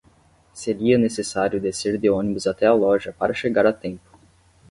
Seria necessário descer de ônibus até a loja para chegar a tempo.